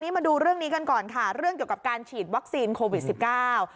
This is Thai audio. มาดูเรื่องนี้กันก่อนค่ะเรื่องเกี่ยวกับการฉีดวัคซีนโควิดสิบเก้า